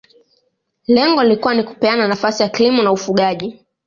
Lengo lilikuwa ni kupeana nafasi ya kilimo na ufugaji